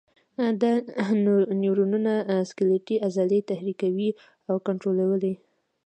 دا نیورونونه سکلیټي عضلې تحریکوي او کنټرولوي.